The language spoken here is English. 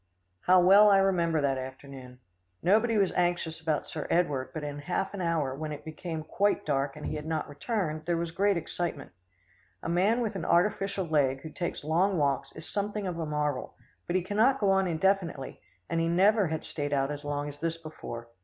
How well I remember that afternoon. Nobody was anxious about Sir Edward, but in half an hour, when it had become quite dark and he had not returned, there was great excitement. A man with an artificial leg who takes long walks is something of a marvel, but he cannot go on indefinitely, and he never had stayed out as long as this before.